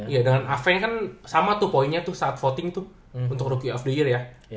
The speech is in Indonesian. iya dengan av kan sama tuh poinnya tuh saat voting tuh untuk rookie of the year ya